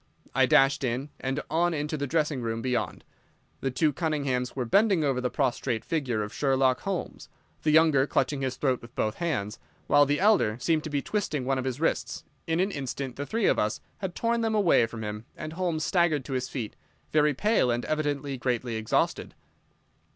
I dashed in, and on into the dressing room beyond. The two Cunninghams were bending over the prostrate figure of Sherlock Holmes, the younger clutching his throat with both hands, while the elder seemed to be twisting one of his wrists. In an instant the three of us had torn them away from him, and Holmes staggered to his feet, very pale and evidently greatly exhausted.